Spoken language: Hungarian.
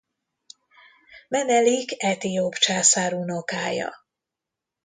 Menelik etióp császár unokája.